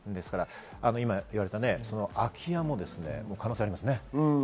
今、言われた空き家もですね、可能性ありますね。